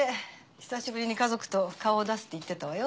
久しぶりに家族と顔を出すって言ってたわよ。